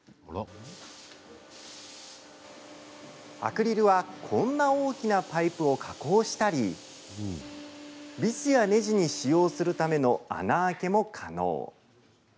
アクリルはこんな大きなパイプを加工したりビスやねじに使用するための穴開けも可能です。